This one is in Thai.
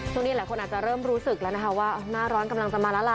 ช่วงนี้หลายคนอาจจะเริ่มรู้สึกแล้วนะคะว่าหน้าร้อนกำลังจะมาแล้วล่ะ